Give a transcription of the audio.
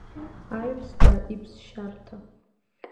Аҩсҭаа иԥсшьарҭа…